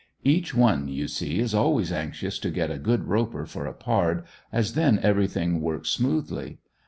Each one you see is always anxious to get a good roper for a "pard," as then everything works smoothly.